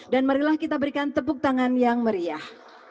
dan marilah kita berikan tepuk tangan yang meriah